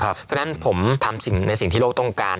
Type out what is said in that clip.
เพราะฉะนั้นผมทำในสิ่งที่โลกต้องการ